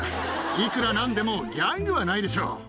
いくらなんでもギャングはないでしょう。